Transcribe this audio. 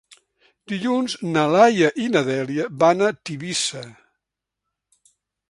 Dilluns na Laia i na Dèlia van a Tivissa.